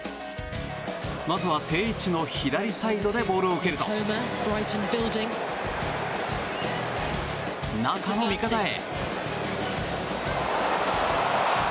まずは定位置の左サイドでボールを受けると、中の味方へ。